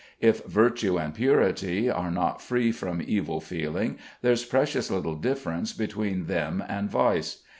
If virtue and purity are not free from evil feeling, there's precious little difference between them and vice.